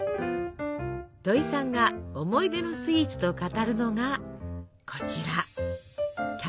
土井さんが思い出のスイーツと語るのがこちら。